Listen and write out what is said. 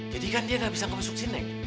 jadi kan dia enggak bisa ngebesuk si neng